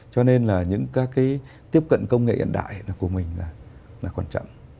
cho nên là những các cái tiếp cận công nghệ hiện đại của mình là quan trọng